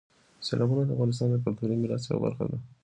سیلابونه د افغانستان د کلتوري میراث یوه برخه ده.